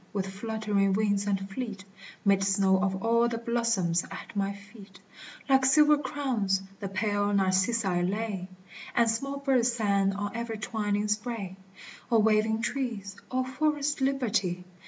with fluttering wings and fleet, Made snow of all the blossoms : at my feet, like silver crowns, the pale narcissi lay, And small birds sang on every twining spray. O waving trees, O forest liberty